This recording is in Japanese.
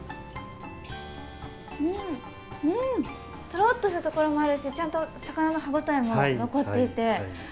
とろっとしたところもあるしちゃんと魚の歯応えも残っていて。